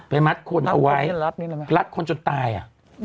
มัดคนเอาไว้รัดคนจนตายอ่ะ